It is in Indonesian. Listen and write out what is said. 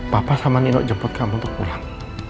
papa sama nino jemput kamu untuk pulang